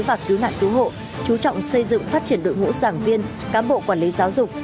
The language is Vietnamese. và cứu nạn cứu hộ chú trọng xây dựng phát triển đội ngũ giảng viên cán bộ quản lý giáo dục